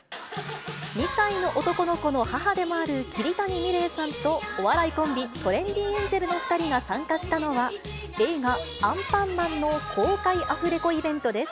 ２歳の男の子の母でもある桐谷美玲さんと、お笑いコンビ、トレンディエンジェルの２人が参加したのは、映画、アンパンマンの公開アフレコイベントです。